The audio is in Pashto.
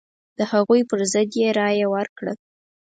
د هغوی پر ضد یې رايه ورکړه.